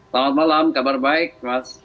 selamat malam kabar baik mas